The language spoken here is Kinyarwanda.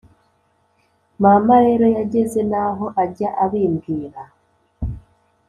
Mama rero, yageze n’aho ajya abimbwira